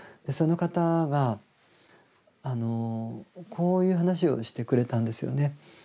その方がこういう話をしてくれたんですよね。